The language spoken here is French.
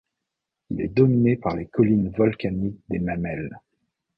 Il est dominé par les collines volcaniques des Mamelles.